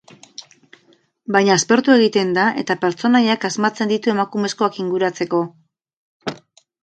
Baina aspertu egiten da, eta pertsonaiak asmatzen ditu emakumezkoak inguratzeko.